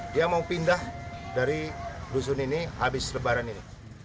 dia mau pindah dari dusun ini habis lebaran ini